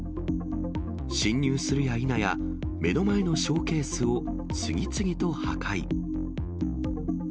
侵入するやいなや、目の前のショーケースを次々と破壊。